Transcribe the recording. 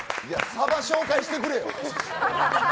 いや、サバ紹介してくれよ。